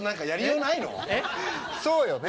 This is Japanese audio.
そうよね。